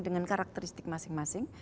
dengan karakteristik masing masing